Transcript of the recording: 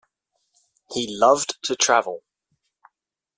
He loved to travel.